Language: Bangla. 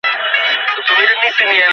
আমাকে রেখে চলে যেও না, এখুনি আসছি।